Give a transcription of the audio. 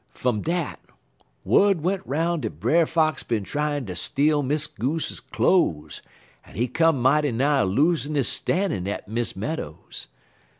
Fum dat, wud went 'roun' dat Brer Fox bin tryin' ter steal Miss Goose cloze, en he come mighty nigh losin' his stannin' at Miss Meadows.